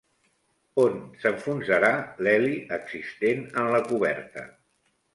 On s'enfonsarà l'heli existent en la coberta?